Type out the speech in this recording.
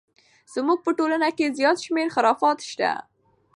زموږ په ټولنه کې زیات شمیر خرافات شته!